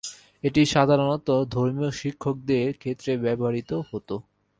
এটি সাধারণত ধর্মীয় শিক্ষকদের ক্ষেত্রে ব্যবহৃত হতো।